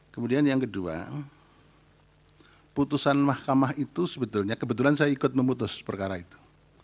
kemudian yang kedua putusan mahkamah itu sebetulnya kebetulan saya ikut memutus perkara itu